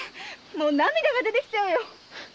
もう涙が出てきちゃうよ。